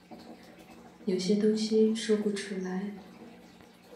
有些東西說不出來